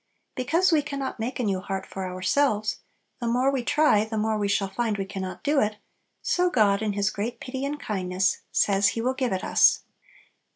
Because we can not make a new heart for ourselves; the more we try, the more we shall find we can not do it; so God, in His great pity and kindness, says He will give it us.